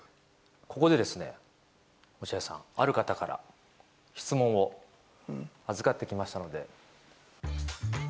ここで、落合さん、ある方から質問を預かってきましたので。